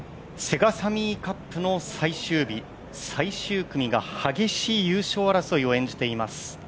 セガサミーカップの最終日最終組が激しい優勝争いを演じています。